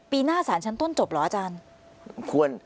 หน้าสารชั้นต้นจบเหรออาจารย์